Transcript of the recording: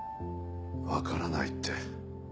わからないって。